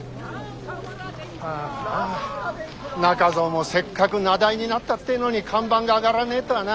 ああ中蔵もせっかく名題になったってえのに看板が上がらねえとはな。